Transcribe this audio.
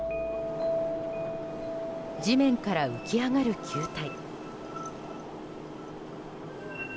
地面から浮き上がる球体。